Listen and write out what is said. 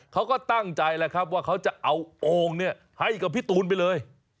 เขาก็ตั้งใจแล้วครับว่าเขาจะเอาโอ่งเนี่ยให้กับพี่ตูนไปเลย